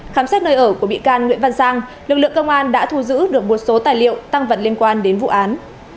khám xét nơi ở của bị can nguyễn văn sang lực lượng công an đã thu giữ được một số tài liệu tăng vật liên quan đến vụ án